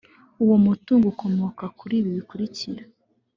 uwo mutungo ukomoka kuri ibi bikurikira